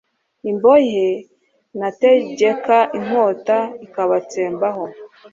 imbohe nategeka inkota ikabatsembaho